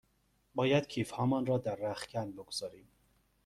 باید کیف هامان را در رختکن بگذاریم.